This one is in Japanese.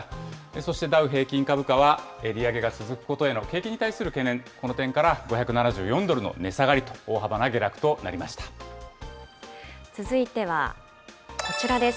そしてダウ平均株価は、利上げが続くことへの景気に対する懸念、この点から、５７４ドルの値下が続いてはこちらです。